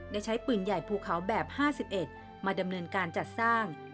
ได้ใช้ปืนใหญ่ภูเขาแบบ๕๑มาดำเนินการจัดสร้าง